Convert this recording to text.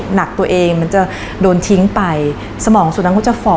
หนักตัวเองมันจะโดนทิ้งไปสมองสุนัขก็จะฝ่อ